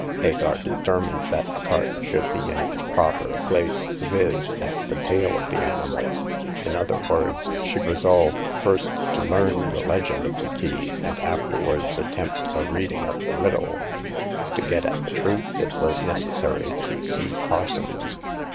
Hagar determined that the cart should be in its proper place, viz., at the tail of the animal. In other words, she resolved first to learn the legend of the key, and afterwards attempt a reading of the riddle. To get at the truth, it was necessary to see Parsons.